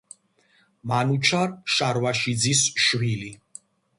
მანუჩარ შარვაშიძის შვილი.